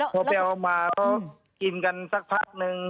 พบวฮีเอามากินกันสักพักนึง